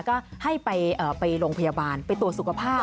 ก็ให้ไปโรงพยาบาลไปตรวจสุขภาพ